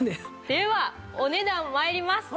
ではお値段参ります。